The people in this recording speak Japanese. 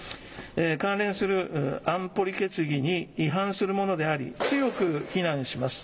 関連する安保理決議に違反するものであり強く非難します。